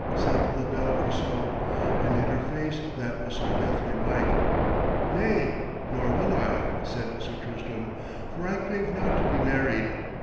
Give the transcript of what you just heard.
said La Belle Isoude, and hid her face that was so deathly white. 'Nay, nor will I,' said Sir Tristram, 'for I crave not to be married.